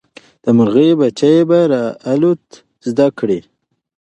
د مرغۍ بچي به الوتل زده کړي.